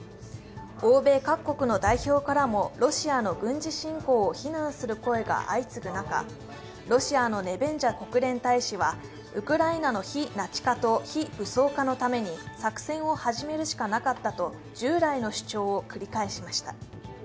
欧米各国の代表からもロシアの軍事侵攻を非難する声が相次ぐ中、ロシアのネベンジャ国連大使はウクライナの非ナチ化と非武装化のために作戦を始めるしかなかったと従来の主張を繰り返しました。